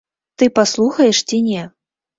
Ты паслухаеш ці не?